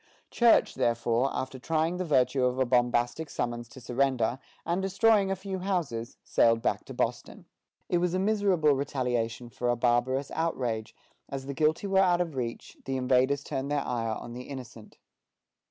Church, therefore, after trying the virtue of a bombastic summons to surrender, and destroying a few houses, sailed back to Boston. It was a miserable retaliation for a barbarous outrage; as the guilty were out of reach, the invaders turned their ire on the innocent.